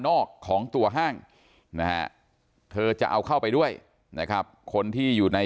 ของตัวห้างนะฮะเธอจะเอาเข้าไปด้วยนะครับคนที่อยู่ใน